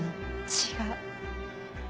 違う。